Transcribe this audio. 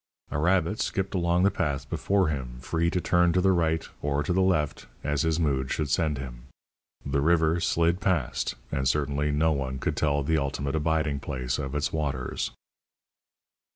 A rabbit skipped along the path before him, free to turn to the right or to the left as his mood should send him. The river slid past, and certainly no one could tell the ultimate abiding place of its waters.